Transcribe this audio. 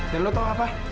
dan lu tau apa